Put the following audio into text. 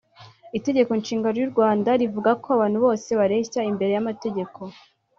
Itegeko Nshinga ry’u Rwanda rivuga ko abantu bose bareshya imbere y’amategeko